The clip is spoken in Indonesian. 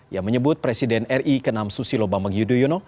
yang menyebut presiden ri kenam susilo bambang yudhoyono